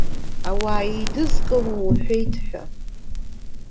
Ауаа еидызкыло уҳәеит ҳәа.